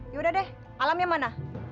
yaudah deh alamnya mana